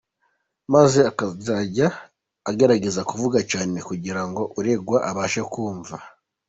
Maze akajya agerageza kuvuga cyane kugira ngo uregwa abashe kumva.